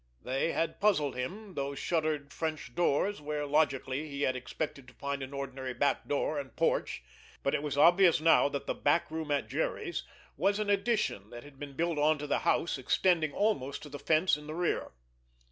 They had puzzled him, those shuttered French doors where logically he had expected to find an ordinary back door and porch, but it was obvious now that the "back room at Jerry's" was an addition that had been built onto the house, extending almost to the fence in the rear.